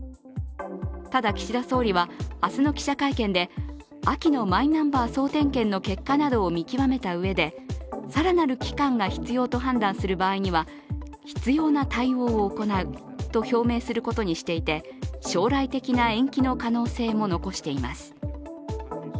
ただ、岸田総理は明日の記者会見で秋のマイナンバー総点検の結果などを見極めたうえで更なる期間が必要と判断する場合には、必要な対応を行うと表明することにしていて将来的な延期の可能性も残しています。